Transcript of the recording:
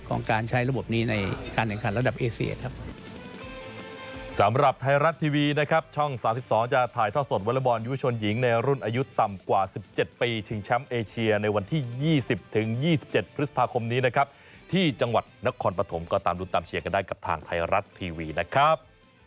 ของการใช้ระบบนี้ในการแข่งขันระดับเอเซียครับ